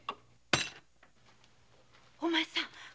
・お前さん！